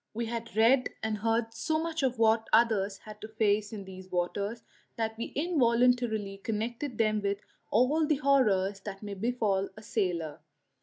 We had read and heard so much of what others had had to face in these waters that we involuntarily connected them with all the horrors that may befall a sailor.